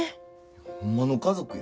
ホンマの家族や。